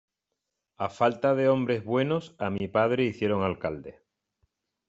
A falta de hombres buenos, a mi padre hicieron alcalde.